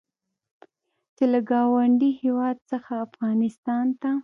چې له ګاونډي هېواد څخه افغانستان ته